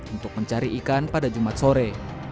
untuk mencari ikan pada jumat sore